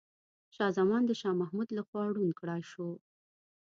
شاه زمان د شاه محمود لخوا ړوند کړاي سو.